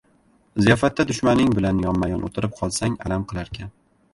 – ziyofatda dushmaning bilan yonma-yon o‘tirib qolsang alam qilarkan.